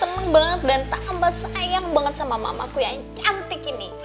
senang banget dan tambah sayang banget sama mamaku yang cantik ini